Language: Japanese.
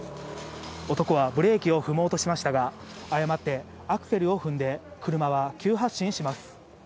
男はブレーキを踏もうとしましたが、誤ってアクセルを踏んで、車は急発進します。